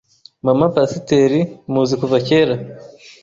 Mama Pasiteri Muzi kuva kera,